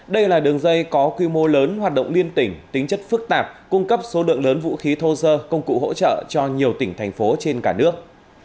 đây là đường dây có quy mô lớn hoạt động liên tỉnh tính chất phức tạp cung cấp số lượng lớn vũ khí thô sơ công cụ hỗ trợ cho nhiều tỉnh thành phố trên cả nước